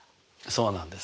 そうなんです。